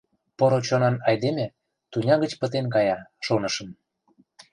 Поро чонан айдеме тӱня гыч пытен кая, шонышым.